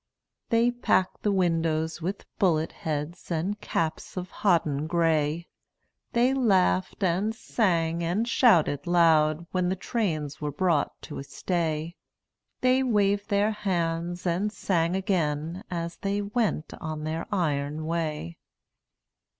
They packed the windows with bullet heads And caps of hodden gray; They laughed and sang and shouted loud When the trains were brought to a stay; They waved their hands and sang again As they went on their iron way.